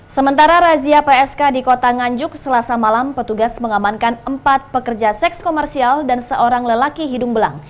sementara razia psk di kota nganjuk selasa malam petugas mengamankan empat pekerja seks komersial dan seorang lelaki hidung belang